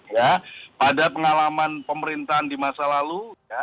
ya pada pengalaman pemerintahan di masa lalu